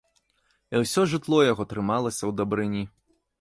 І ўсё жытло яго трымалася ў дабрыні.